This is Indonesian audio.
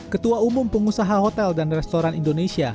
ketua umum pengusaha hotel dan restoran indonesia